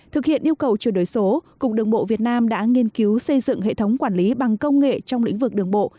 thực hiện yêu cầu chuyển đổi số cục đường bộ việt nam đã nghiên cứu xây dựng hệ thống quản lý bằng công nghệ trong lĩnh vực đường bộ